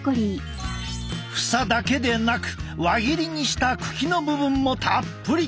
房だけでなく輪切りにした茎の部分もたっぷり。